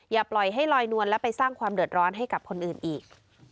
อย่าปล่อยให้ลอยนวลและไปสร้างความเดือดร้อนให้กับคนอื่นอีก